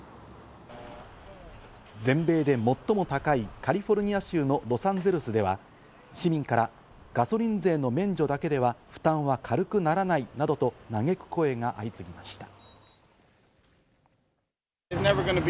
全米で最も高いカリフォルニア州のロサンゼルスでは、市民からガソリン税の免除だけでは負担は軽くならないなどと嘆く声が相次ぎました。